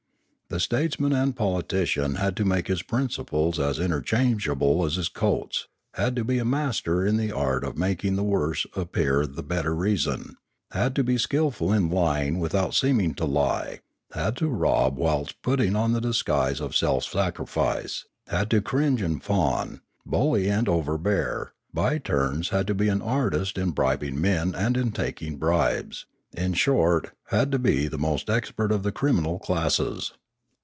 The states man and politician had to make his principles as inter changeable as his coats, had to be a master in the art of making the worse appear the better reason, had to be skilful in lying without seeming to lie, had to rob whilst putting on the guise of self sacrifice, had to cringe and fawn, bully and overbear, by turns, had to be an artist in bribing men and in taking bribes, in short had to be the most expert of the criminal classes.